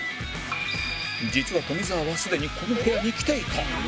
実は富澤はすでにこの部屋に来ていた